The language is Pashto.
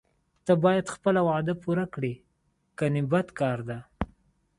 ته باید خپله وعده پوره کړې کنه بد کار ده.